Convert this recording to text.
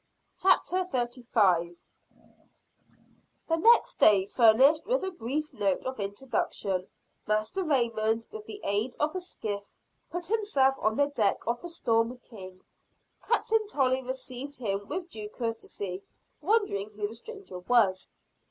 CHAPTER XXXV. Captain Tolley and the Storm King. The next day furnished with a brief note of introduction, Master Raymond, with the aid of a skiff, put himself on the deck of the Storm King. Captain Tolley received him with due courtesy, wondering who the stranger was.